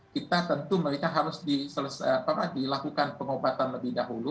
kita tentu mereka harus dilakukan pengobatan lebih dahulu